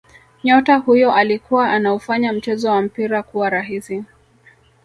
Nyota huyo alikuwa anaufanya mchezo wa mpira kuwa rahisi